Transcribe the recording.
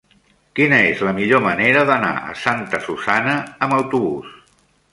Quina és la millor manera d'anar a Santa Susanna amb autobús?